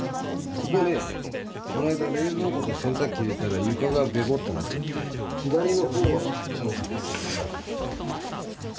ここねこないだ冷蔵庫と洗濯機入れたら床がべこっとなっちゃって左の方は丈夫です。